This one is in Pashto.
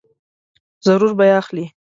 ضرور به یې اخلې !